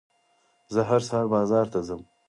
زه هر سهار بازار ته ځم.